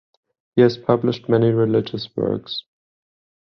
He has published many religious works.